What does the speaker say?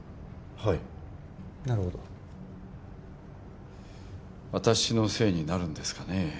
はいなるほど私のせいになるんですかね？